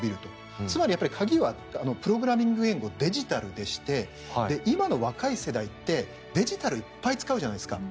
つまり、鍵はプログラミング言語デジタルでして今の若い世代ってデジタルいっぱい使うじゃないですか。